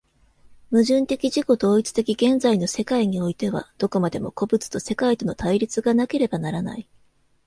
矛盾的自己同一的現在の世界においては、どこまでも個物と世界との対立がなければならない。